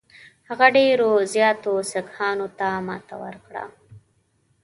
هغه ډېرو زیاتو سیکهانو ته ماته ورکړه.